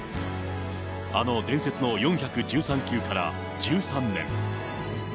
あの伝説の４１３球から１３年。